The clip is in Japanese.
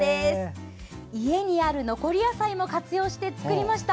「家にある残り野菜も活用して作りました。